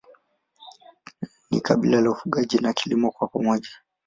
Ni kabila la ufugaji na kilimo kwa pamoja.